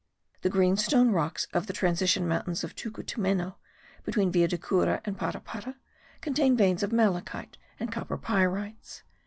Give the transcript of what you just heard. The green stone rocks of the transition mountains of Tucutunemo (between Villa de Cura and Parapara) contain veins of malachite and copper pyrites.